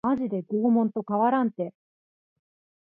マジで拷問と変わらんて